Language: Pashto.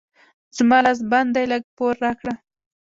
زما لاس بند دی؛ لږ پور راکړه.